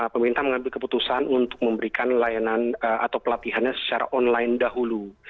pemerintah mengambil keputusan untuk memberikan layanan atau pelatihannya secara online dahulu